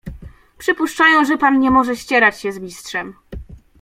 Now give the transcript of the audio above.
"Przypuszczają, że pan nie może ścierać się z Mistrzem."